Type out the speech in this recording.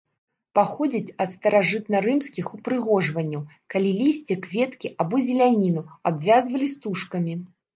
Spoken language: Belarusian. Паходзіць ад старажытнарымскіх упрыгожванняў, калі лісце, кветкі або зеляніну абвязвалі стужкамі.